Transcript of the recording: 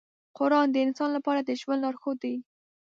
قرآن د انسان لپاره د ژوند لارښود دی.